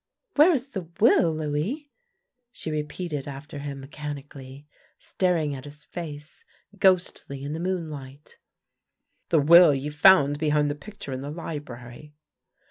" Where is the will, Louis! " she repeated after him mechanically, staring at his face, ghostly in the moon light. '' The will you found behind the picture in the library."